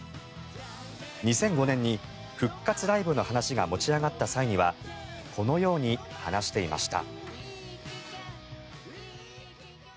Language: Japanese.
２００５年に復活ライブの話が持ち上がった際にはこのように話していました。